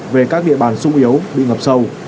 về các địa bàn sung yếu bị ngập sâu